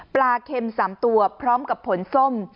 เค็ม๓ตัวพร้อมกับผลส้ม